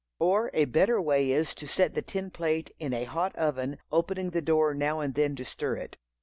Or a better way is, to set the tin plate in a hot oven, opening the door now and then to stir it.